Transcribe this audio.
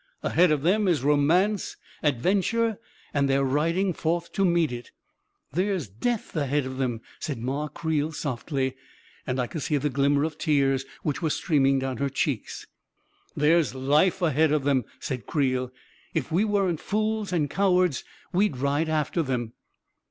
Ahead of them is romance, adventure — and they're riding forth to meet it 1 "" There's death ahead of them !" said Ma Creel, softly, and I could see the glimmer of the tears which were streaming down her cheeks. 14 There's life ahead of them I " said Creel. " If we weren't fools and cowards, we'd ride after them